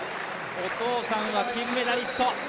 お父さんは金メダリスト。